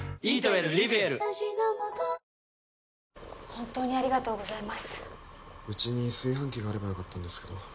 本当にありがとうございますうちに炊飯器があればよかったんですけど